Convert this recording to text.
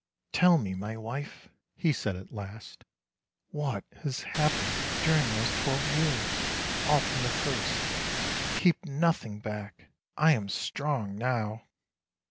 " Tell me, my wife," he said at last, " what has hap pened during these twelve years, all from the first. Keep nothing back. I am strong now."